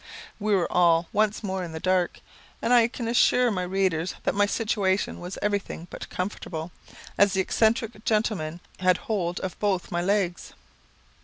We were all once more in the dark, and I can assure my readers that my situation was everything but comfortable, as the eccentric gentleman had hold of both my legs.